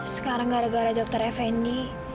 sekarang gara gara dr effendi